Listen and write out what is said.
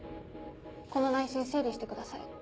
この内申整理してください。